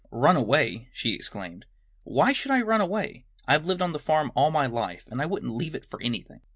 "Run away!" she exclaimed. "Why should I run away? I've lived on the farm all my life and I wouldn't leave it for anything."